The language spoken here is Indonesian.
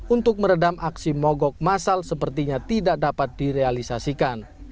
untuk meredam aksi mogok masal sepertinya tidak dapat direalisasikan